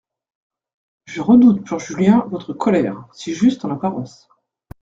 Je redoute pour Julien votre colère, si juste en apparence.